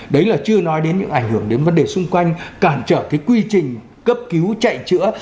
đấy là chưa nói đến những ảnh hưởng đến vấn đề xung quanh cản trở cái quy trình cấp cứu chạy chữa